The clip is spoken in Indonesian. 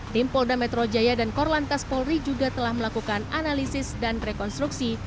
tim polda metro jaya dan korlantas polri juga telah melakukan analisis dan rekonstruksi